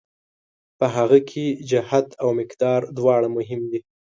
په هغه کې جهت او مقدار دواړه مهم دي.